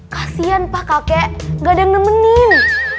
kasian pak kakek gak ada yang nemenin